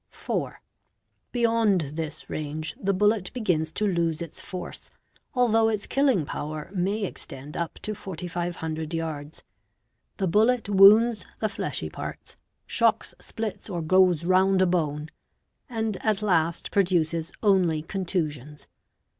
IV. Beyond this range the bullet begins to lose its force, although its killing power may extend up to 4500 yards. The bullet wounds the fleshy parts, shocks, splits, or goes round a bone; and at last produces only contusions.